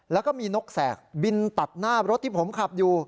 แล้วก็มีนกแสกบินตัดหน้ารถที่ผมขับอยู่